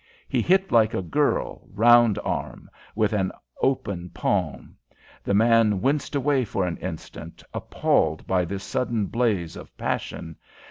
He hit like a girl, round arm, with an open palm. The man winced away for an instant, appalled by this sudden blaze of passion.